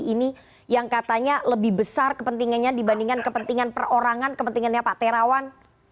ini yang katanya lebih besar kepentingannya dibandingkan kepentingan perorangan kepentingannya pak terawan